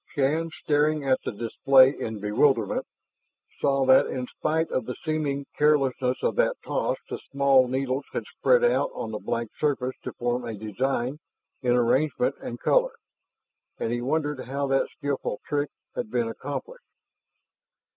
Shann, staring at the display in bewilderment, saw that in spite of the seeming carelessness of that toss the small needles had spread out on the blank surface to form a design in arrangement and color. And he wondered how that skillful trick had been accomplished.